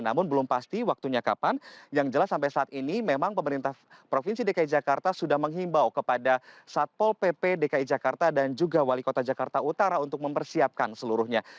namun belum pasti waktunya kapan yang jelas sampai saat ini memang pemerintah provinsi dki jakarta sudah menghimbau kepada satpol pp dki jakarta dan juga wali kota jakarta utara untuk mempersiapkan seluruhnya